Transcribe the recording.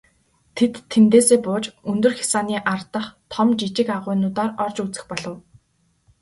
Тэд тэндээсээ бууж өндөр хясааны ар дахь том жижиг агуйнуудаар орж үзэх болов.